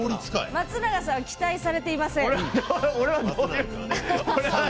松永さん期待されていません。